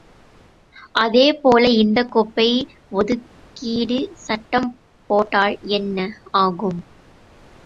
அதே போல இந்தக் குப்பை ஒதுக்கீடு சட்டம் போட்டால் என்ன ஆகும்?